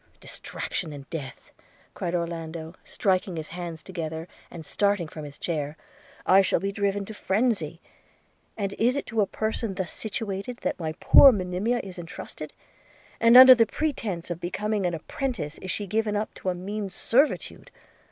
'Distraction and death!' cried Orlando striking his hands together, and starting from his chair, 'I shall be driven to phrensy! – And is it to a person thus situated that my poor Monimia is entrusted? and, under the pretence of becoming an apprentice, is she given up to a mean servitude?